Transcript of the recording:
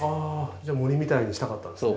じゃあ森みたいにしたかったんですね。